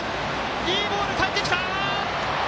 いいボール、かえってきた！